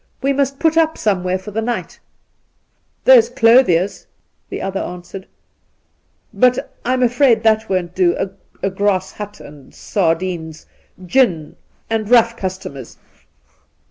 We must put up somewhere for the night !'' There's Clothier's,' the other answered ;' but I'm afraid that won't do — a grass hut, and sardines, gin, and rough customers.